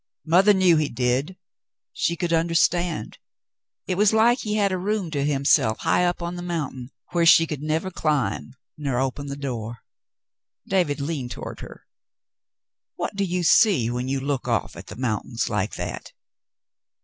Mother knew he did — she could understand. It was like he had a room to himself high up on the mountain, where she never could climb, nor open the door." David leaned toward her. "What do you see when you look off at the mountain like that